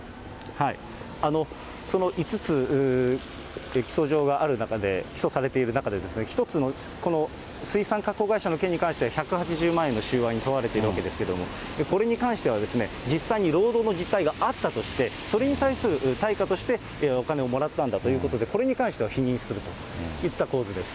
その５つ、起訴状がある中で、起訴されている中でですね、１つの、この水産加工会社の件に関しては１８０万円の収賄に問われているわけですけれども、これに関しては、実際に労働の実態があったとして、それに対する対価としてお金をもらったんだということで、これに関しては否認するといった構図です。